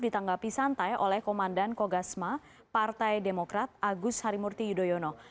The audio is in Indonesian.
ditanggapi santai oleh komandan kogasma partai demokrat agus harimurti yudhoyono